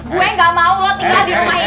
gue gak mau lo tinggal di rumah ya